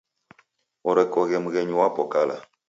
Orekoghe mghenyu wapo kala.